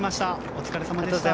お疲れさまでした。